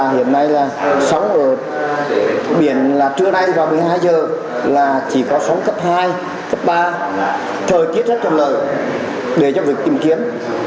hiện nay là sóng ở biển là trưa nay vào một mươi hai h là chỉ có sóng cấp hai cấp ba thời tiết rất là lợi để cho việc tìm kiếm